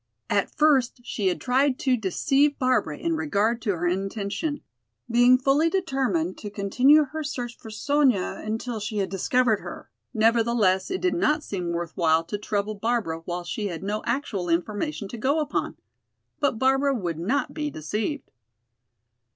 At first she had tried to deceive Barbara in regard to her intention, being fully determined to continue her search for Sonya until she had discovered her; nevertheless, it did not seem worth while to trouble Barbara while she had no actual information to go upon. But Barbara would not be deceived.